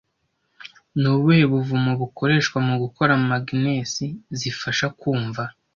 Ni ubuhe buvumo bukoreshwa mu gukora magnesi zifasha kumva